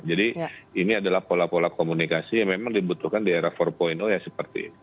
jadi ini adalah pola pola komunikasi yang memang dibutuhkan di era empat ya seperti ini